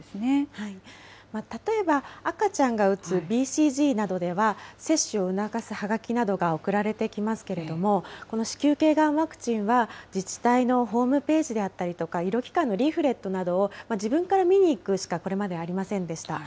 例えば、赤ちゃんが打つＢＣＧなどでは、接種を促すはがきなどが送られてきますけれども、この子宮けいがんワクチンは、自治体のホームページであったりとか、医療機関のリーフレットなどを自分から見に行くしか、これまでありませんでした。